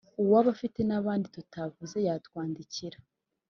Uwaba afite n’andi tutavuze yatwandikira